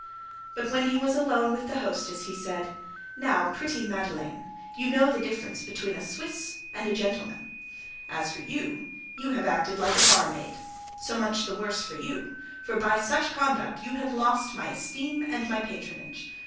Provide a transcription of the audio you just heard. But when he was alone with the hostess he said: "Now, pretty Madeleine, you know the difference between a Swiss and a gentleman. As for you, you have acted like a barmaid. So much the worse for you, for by such conduct you have lost my esteem and my patronage.